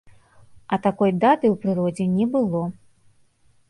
А такой даты ў прыродзе не было!